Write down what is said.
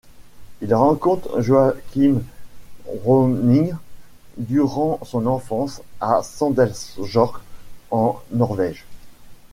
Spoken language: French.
Il rencontre Joachim Rønning durant son enfance à Sandefjord en Norvège.